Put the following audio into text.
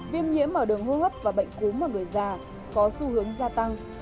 viêm nhiễm ở đường hô hấp và bệnh cúm ở người già có xu hướng gia tăng